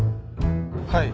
はい。